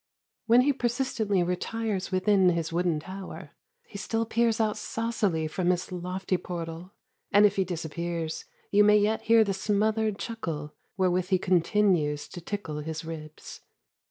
When he persistently retires within his wooden tower, he still peers out saucily from his lofty portal, and if he disappears you may yet hear the smothered chuckle wherewith he continues to tickle his ribs.